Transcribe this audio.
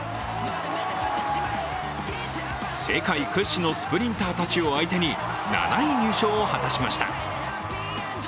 世界屈指のスプリンターたちを相手に７位入賞を果たしました。